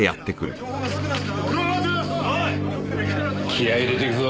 気合入れていくぞ。